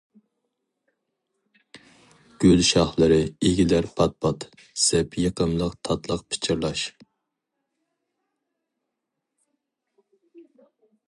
گۈل شاخلىرى ئىگىلەر پات-پات، زەپ يېقىملىق تاتلىق پىچىرلاش.